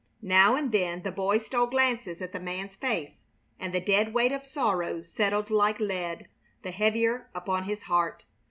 Now and then the boy stole glances at the man's face, and the dead weight of sorrow settled like lead, the heavier, upon his heart.